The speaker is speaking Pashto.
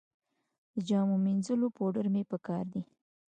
د جامو مینځلو پوډر مې په کار دي